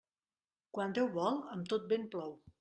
Quan Déu vol, amb tot vent plou.